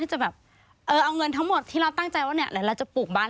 จะแบบเออเอาเงินทั้งหมดที่เราตั้งใจว่าเนี่ยหรือเราจะปลูกบ้าน